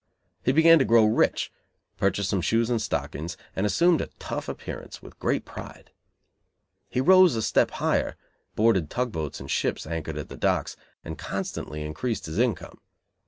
He began to grow rich, purchased some shoes and stockings, and assumed a "tough" appearance, with great pride. He rose a step higher, boarded tug boats and ships anchored at the docks, and constantly increased his income.